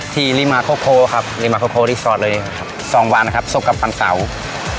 ที่ครับเลยครับสองวันนะครับสุกกับวันเสาร์